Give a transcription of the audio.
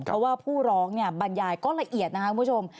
เพราะว่าผู้ร้องเนี่ยบรรยายก็ละเอียดนะครับคุณผู้ชม